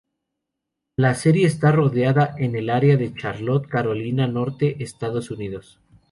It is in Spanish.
La serie está rodada en el área de Charlotte, Carolina del Norte, Estados Unidos.